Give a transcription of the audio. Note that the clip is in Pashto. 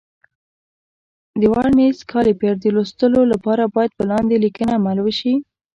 د ورنیز کالیپر د لوستلو لپاره باید په لاندې لیکنه عمل وشي.